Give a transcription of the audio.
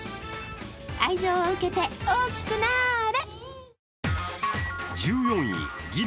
愛情を受けて大きくなあれ。